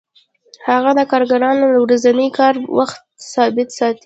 هغه د کارګرانو د ورځني کار وخت ثابت ساتي